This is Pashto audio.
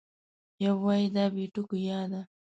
یو وای دا بې ټکو یا ده